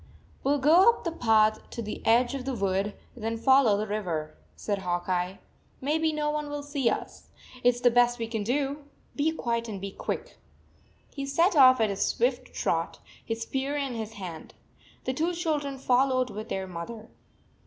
" We 11 go up the path to the edge of the wood, then follow the river," said Hawk Eye. " Maybe no one will see us. It s the best we can do. Be quiet and be quick." He set off at a swift trot, his spear in his hand. The two children followed with their mother.